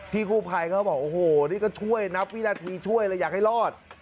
พี่ครูภัยก็บอกโอ้โหนี่ก็ช่วยนับวินาทีช่วยอยากให้รอด